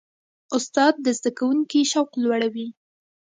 استاد د زده کوونکي شوق لوړوي.